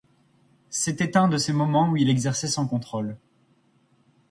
C'était un de ces moments où il exerçait sans contrôle.